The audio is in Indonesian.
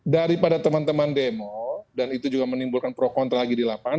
daripada teman teman demo dan itu juga menimbulkan pro kontra lagi di lapangan